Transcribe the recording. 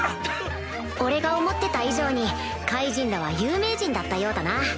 俺が思ってた以上にカイジンらは有名人だったようだな